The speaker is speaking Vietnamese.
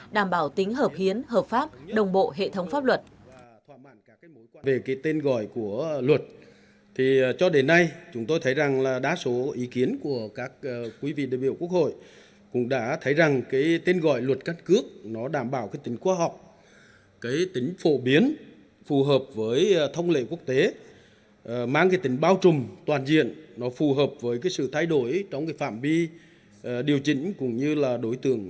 đảm bảo tính hợp hiến hợp pháp đồng bộ hệ thống pháp luật